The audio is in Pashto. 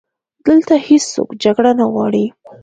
دلته هیڅوک جګړه نه غواړي